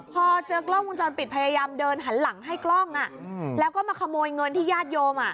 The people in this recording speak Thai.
พอเจอกล้องวงจรปิดพยายามเดินหันหลังให้กล้องแล้วก็มาขโมยเงินที่ญาติโยม